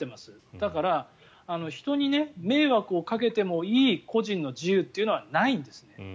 だから人に迷惑をかけてもいい個人の自由はないんですね。